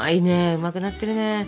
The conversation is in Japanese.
うまくなってるね。